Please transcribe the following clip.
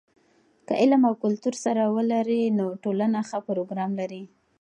که علم او کلتور سره ولري، نو ټولنه ښه پروګرام لري.